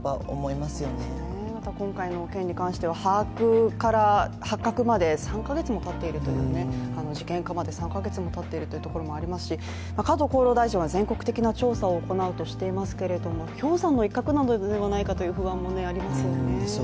また今回の件に関しては把握から発覚まで３か月もたっているという、事件化まで３か月もたっているということもありますし、加藤厚労大臣は全国的な調査を行うとしていますが氷山の一角なのではないかという不安もありますよね。